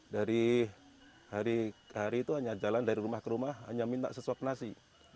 dari hari ke hari itu hanya jalan dari rumah ke rumah hanya minta sesok nasi